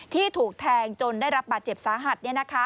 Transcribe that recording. ที่ถูกแทงจนได้รับบาดเจ็บสาหัส